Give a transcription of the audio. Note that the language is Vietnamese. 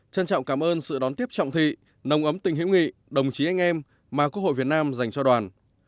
trân trọng cảm ơn sự đón tiếp trọng thị nồng ấm tình hữu nghị đồng chí anh em mà quốc hội việt nam dành cho đoàn